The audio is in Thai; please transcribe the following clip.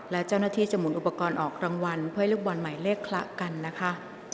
และเจ้าหน้าที่จะหมุนอุปกรณ์ออกรางวัลเพื่อให้ลูกบอลใหม่เลขคละกันนะคะ